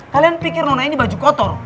kalian pikir nona ini baju kotor